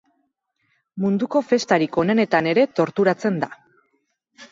Munduko festarik onenetan ere torturatzen da.